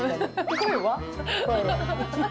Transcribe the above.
声は？